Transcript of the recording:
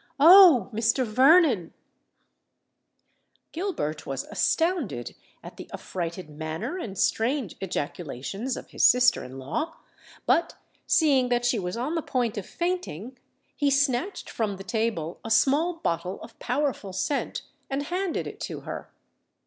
"Oh! Mr. Vernon——" Gilbert was astounded at the affrighted manner and strange ejaculations of his sister in law;—but, seeing that she was on the point of fainting, he snatched from the table a small bottle of powerful scent, and handed it to her.